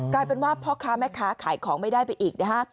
กลายเป็นว่าพ่อค้าแม่ค้าขายของไม่ได้ไปอีกนะฮะ